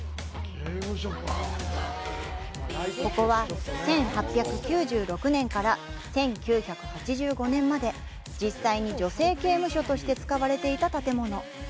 ここは１８９６年から１９８５年まで実際に女性刑務所として使われていた建物。